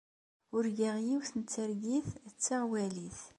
Urgaɣ yiwet n targit d taɣwalit.